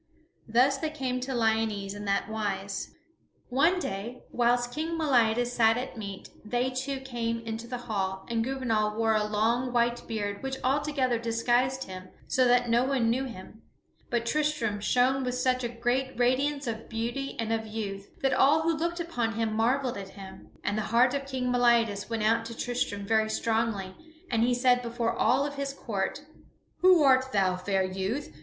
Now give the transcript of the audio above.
Thus they came to Lyonesse in that wise. [Sidenote: How Tristram returns to Lyonesse] One day whilst King Meliadus sat at meat, they two came into the hall, and Gouvernail wore a long white beard which altogether disguised him so that no one knew him. But Tristram shone with such a great radiance of beauty and of youth that all who looked upon him marvelled at him. And the heart of King Meliadus went out to Tristram very strongly, and he said before all of his court, "Who art thou, fair youth?